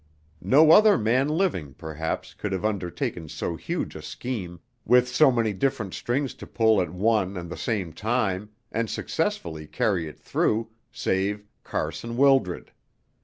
No other man living, perhaps, could have undertaken so huge a scheme, with so many different strings to pull at one and the same time, and successfully carry it through, save Carson Wildred.